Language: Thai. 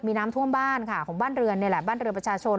มีน้ำท่วมบ้านค่ะของบ้านเรือนนี่แหละบ้านเรือนประชาชน